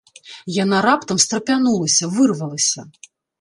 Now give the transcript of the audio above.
Яна раптам страпянулася, вырвалася.